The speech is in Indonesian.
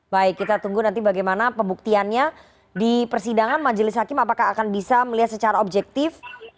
baik kita tunggu nanti bagaimana pembuktiannya di persidangan majelis hakim apakah akan bisa melihat secara objektif